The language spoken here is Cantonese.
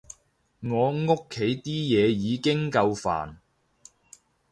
我屋企啲嘢已經夠煩